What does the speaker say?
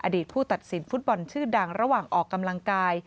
ผู้ตัดสินฟุตบอลชื่อดังระหว่างออกกำลังกาย